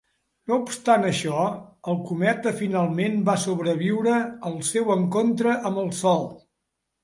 No obstant això, el cometa finalment va sobreviure al seu encontre amb el sol.